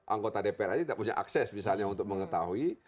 anggota dpr aja tidak punya akses misalnya untuk mengetahui